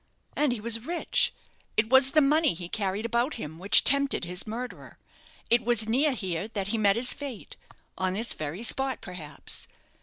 "And he was rich. It was the money he carried about him which tempted his murderer. It was near here that he met his fate on this very spot, perhaps.